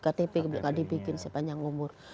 ktp nggak dibikin sepanjang umur